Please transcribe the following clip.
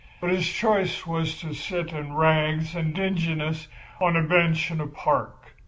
But his choice was to sit in rags and dinginess on a bench in a park.